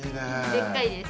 でっかいです。